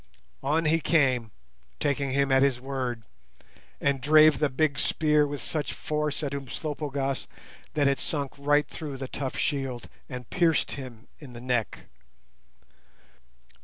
On he came, taking him at his word, and drave the big spear with such force at Umslopogaas that it sunk right through the tough shield and pierced him in the neck.